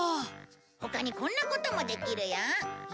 他にこんなこともできるよ。